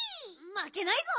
まけないぞ。